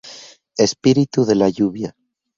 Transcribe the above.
Espíritu de la lluvia.